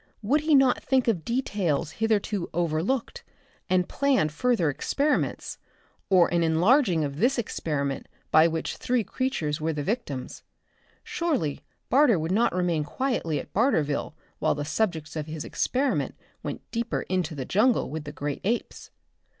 Would he not think of details hitherto overlooked and plan further experiments, or an enlarging of this experiment of which three creatures were the victims? Surely Barter would not remain quietly at Barterville while the subjects of his experiment went deeper into the jungle with the great apes.